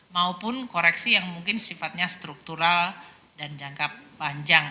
maupun koreksi yang mungkin sifatnya struktural dan jangka panjang